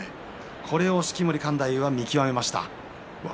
これは式守勘太夫が見極めました。